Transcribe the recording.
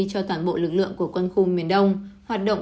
cho toàn bộ lực lượng của quân khu miền đông hoạt động